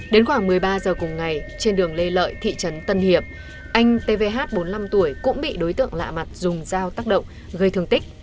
đến khoảng một mươi ba giờ cùng ngày trên đường lê lợi thị trấn tân hiệp anh tvh bốn mươi năm tuổi cũng bị đối tượng lạ mặt dùng dao tác động gây thương tích